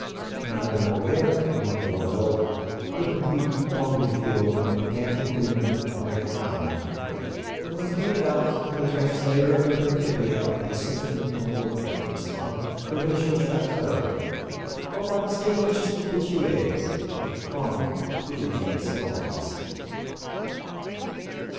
Neither Molière nor Boileau could have heaped more ridicule on the pedantic women of their time than was meted out to the translator of the Principia by certain noble dames of provincial châteaux or by distinguished habituées of prominent Parisian salons.